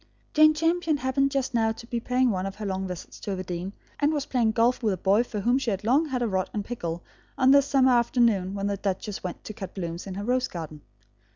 Jane Champion happened just now to be paying one of her long visits to Overdene, and was playing golf with a boy for whom she had long had a rod in pickle on this summer afternoon when the duchess went to cut blooms in her rose garden.